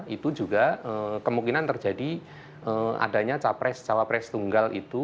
itu juga kemungkinan terjadi adanya capres cawapres tunggal itu